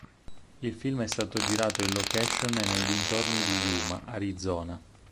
Il film è stato girato in location e nei dintorni di Yuma, Arizona.